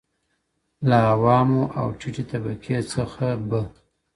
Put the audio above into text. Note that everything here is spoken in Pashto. له عوامو او ټیټي طبقي څخه به